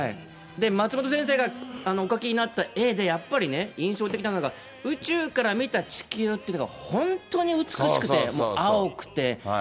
松本先生がお描きになった絵でやっぱりね、印象的なのが、宇宙から見た地球っていうのが、本当に美しくて、青くて。